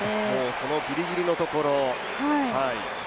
そのギリギリのところ。